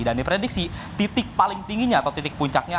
dan diprediksi titik paling tingginya atau titik puncaknya